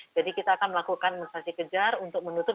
jadi kita akan melakukan imunisasi kejar untuk menutup